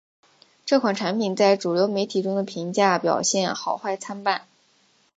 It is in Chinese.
这款产品在主流媒体中的评价表现好坏参半。